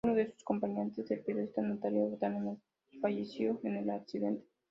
Uno de sus acompañantes, el periodista Natalio Botana, falleció en el accidente.